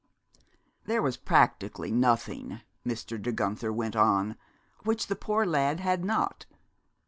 "There was practically nothing," Mr. De Guenther went on, "which the poor lad had not.